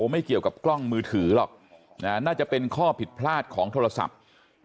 ไม่เกี่ยวกับกล้องมือถือหรอกน่าจะเป็นข้อผิดพลาดของโทรศัพท์